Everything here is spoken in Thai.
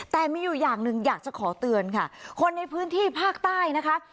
แต่มีอยู่อย่างหนึ่งอยากจะขอเตือนค่ะคนในพื้นที่ภาคใต้นะคะ